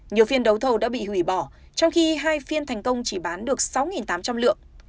nhiều phiên đấu thầu đã bị hủy bỏ trong khi hai phiên thành công chỉ bán được sáu tám trăm linh lượng